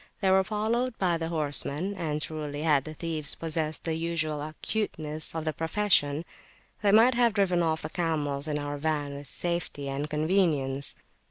They were followed by the horsemen; and truly, had the thieves possessed the usual acuteness of the profession, they might have driven off the camels in our van with safety and convenience.